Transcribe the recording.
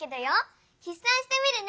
ひっ算してみるね。